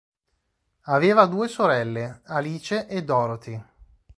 Aveva due sorelle: Alice e Dorothy.